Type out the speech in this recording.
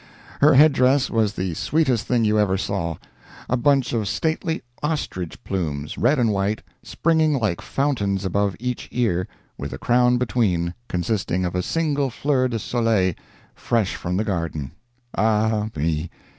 Her head dress was the sweetest thing you ever saw: a bunch of stately ostrich plumes—red and white—springing like fountains above each ear, with a crown between, consisting of a single fleur de soliel, fresh from the garden—Ah, me!